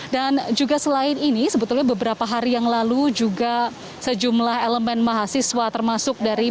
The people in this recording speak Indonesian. dan juga selain ini sebetulnya beberapa hari yang lalu juga sejumlah elemen mahasiswa termasuk dari